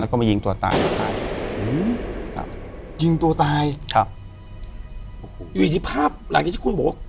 แล้วก็มายิงตัวตายยิงตัวตายครับอยู่ที่ภาพหลังจากที่คุณบอกว่า